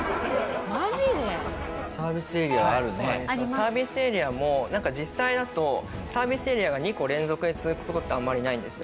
サービスエリアもなんか実際だとサービスエリアが２個連続で続く事ってあんまりないんですよ。